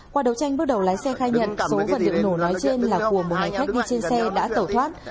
qua đấu tranh bước đầu lái xe khai nhận số vận định nổ nói trên là của một người khách đi trên xe đã tẩu thoát